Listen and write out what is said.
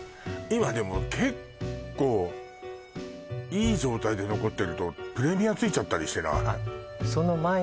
今でも結構いい状態で残ってるとプレミアついちゃったりしてない？